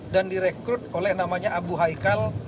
dan direkrut oleh namanya abu haikal